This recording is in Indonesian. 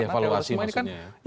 ya evaluasi maksudnya